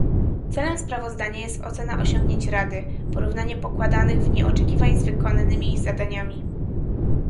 Celem sprawozdania jest ocena osiągnięć Rady, porównanie pokładanych w niej oczekiwań z wykonanymi zadaniami